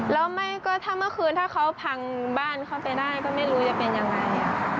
แล้วไม่ก็ถ้าเมื่อคืนถ้าเขาพังบ้านเขาไปได้ก็ไม่รู้จะเป็นยังไง